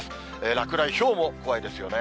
落雷、ひょうも怖いですよね。